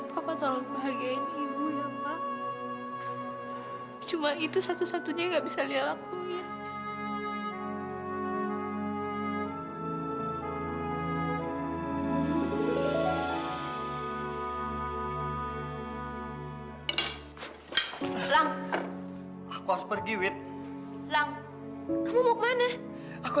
papa tolong bahagiain ibu ya pak